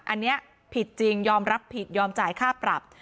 อันนี้ผิดจริงยอมรับผิดยอมจ่ายค่าปรับ